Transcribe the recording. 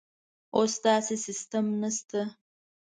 اوس داسې سیستم نشته.